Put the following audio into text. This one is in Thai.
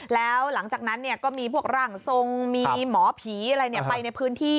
แล้วหลังจากนั้นก็มีพวกร่างทรงมีหมอผีอะไรไปในพื้นที่